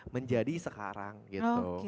menjadi sekarang gitu